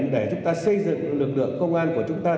để chúng ta xây dựng lực lượng công an của chúng ta